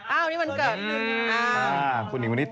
อ้าววันนี้มันเกิด